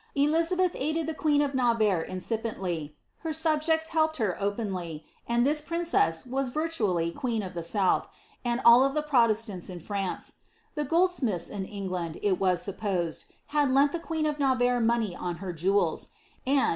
Elizabeth aided the qiUtB of Navarre incipiently, her subjects helped her openly, and this prioceM was virtually queen of the south, and of all the Prolestanis jn FianWi The goldsmiths in Elngland, it was supposed, had lent the queen of Nt varre money on her jewels; and.